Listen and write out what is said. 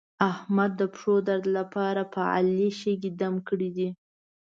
احمد د پښو درد لپاره په علي شګې دم کړې دي.